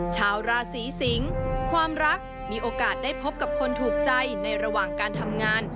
ชาวราศีสิงศ์ความรักมีโอกาสได้พบกับคนถูกใจในระหว่างการทำงาน